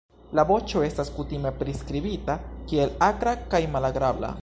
La voĉo estas kutime priskribita kiel akra kaj malagrabla.